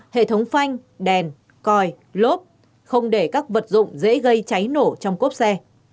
hệ thống phanh đèn còi lốp không để các vật dụng dễ gây cháy nổ trong cốp xe